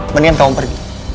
mendingan kamu pergi